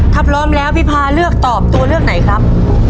ถ้าพร้อมแล้วพี่พาเลือกตอบตัวเลือกไหนครับ